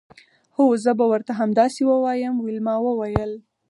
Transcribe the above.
هو زه به ورته همداسې ووایم ویلما وویل